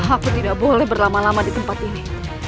aku tidak boleh berlama lama di tempat ini